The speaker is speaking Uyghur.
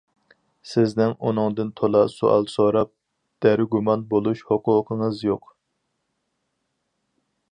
سىزنىڭ ئۇنىڭدىن تولا سوئال سوراپ، دەرگۇمان بولۇش ھوقۇقىڭىز يوق.